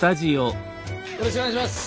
よろしくお願いします。